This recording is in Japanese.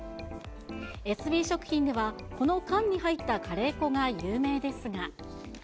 エスビー食品では、この缶に入ったカレー粉が有名ですが。